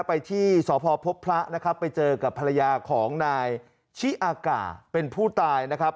ไปที่สพพบพระนะครับไปเจอกับภรรยาของนายชิอากาเป็นผู้ตายนะครับ